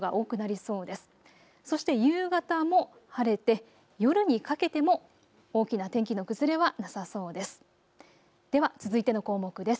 そして夕方も晴れて夜にかけても大きな天気の崩れはなさそうです。